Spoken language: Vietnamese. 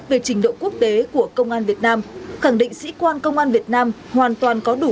về trình độ quốc tế của công an việt nam khẳng định sĩ quan công an việt nam hoàn toàn có đủ